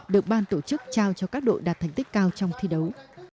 được ban tổ chức trao cho các đội đạt thành tích cao trong thi đấu